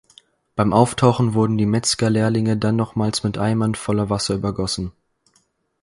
Beim Auftauchen wurden die Metzger-Lehrlinge dann nochmals mit Eimern voller Wasser übergossen.